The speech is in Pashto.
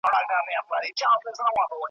خو نه هسي چي زمری وو ځغلېدلی ,